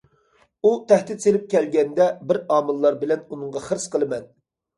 ئۇ تەھدىت سېلىپ كەلگەندە، بىر ئاماللار بىلەن ئۇنىڭغا خىرىس قىلىمەن.